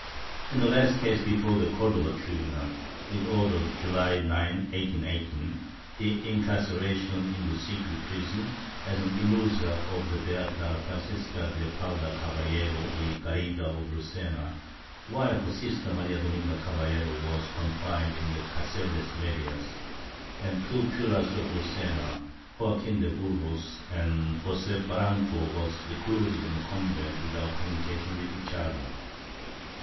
In the last case before the Cordova tribunal, it ordered, July 9, 1818, the incarceration in the secret prison, as an ilusa, of the beata Francisca de Paula Caballero y Garrida of Lucena, while her sister Maria Dominga Caballero was confined in the carceles 7nedias, and the two curas of Lucena, Joaquin de Burgos and Josef Bar ranco, were recluded in a convent without communication with each other.